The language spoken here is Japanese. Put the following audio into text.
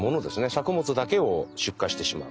作物だけを出荷してしまう。